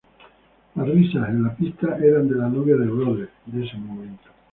Las risas en la pista eran de la novia de Rhodes de ese momento.